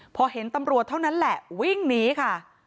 พอเห็นตำรวจเท่านั้นแหละวิ่งหนีค่ะ